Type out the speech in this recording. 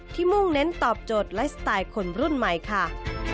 มุ่งเน้นตอบโจทย์ไลฟ์สไตล์คนรุ่นใหม่ค่ะ